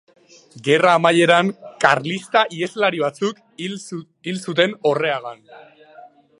Gerra amaieran karlista-iheslari batzuek hil zuten Orreagan.